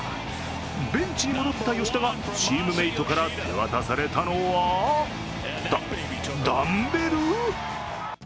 ベンチに戻った吉田がチームメートから手渡されたのはダンベル！？